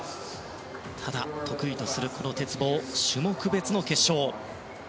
ただ、得意とする鉄棒種目別の決勝。